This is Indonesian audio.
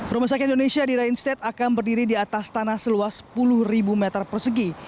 rumah sakit indonesia di rain state akan berdiri di atas tanah seluas sepuluh meter persegi